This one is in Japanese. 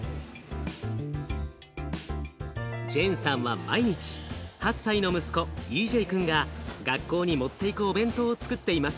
ジェンさんは毎日８歳の息子ＥＪくんが学校に持っていくお弁当をつくっています。